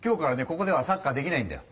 ここではサッカーできないんだよ。